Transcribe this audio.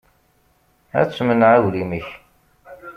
Ad temneɛ aglim-ik.